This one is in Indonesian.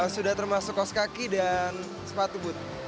sudah termasuk kos kaki dan pakaian